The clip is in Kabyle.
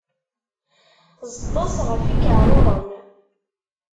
Ẓeṭṭes ɣef ikaɛruren!